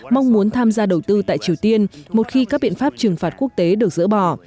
mong muốn tham gia đầu tư tại triều tiên một khi các biện pháp trừng phạt quốc tế được dỡ bỏ